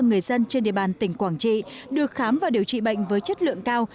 người dân trên địa bàn tỉnh quảng trị được khám và điều trị bệnh với chất lượng cao